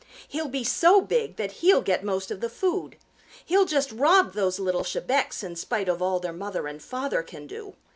"He'll be so big that he'll get most of the food. He'll just rob those little Chebecs in spite of all their mother and father can do.